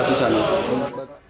oh itu berapa